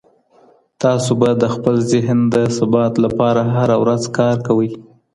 تاسو به د خپل ذهن د ثبات لپاره هره ورځ کار کوئ.